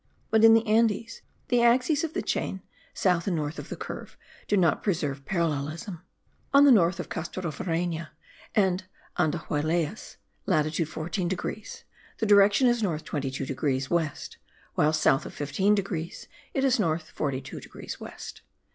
but in the Andes, the axes of the chain, south and north of the curve, do not preserve parallelism. On the north of Castrovireyna and Andahuaylas (latitude 14 degrees), the direction is north 22 degrees west, while south of 15 degrees, it is north 42 degrees west.